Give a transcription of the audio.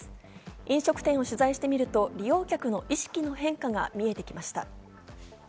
飲食店を取材してみると利用客の意識の変化が見えてきました。